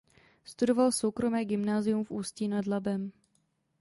Studoval soukromé gymnázium v Ústí nad Labem.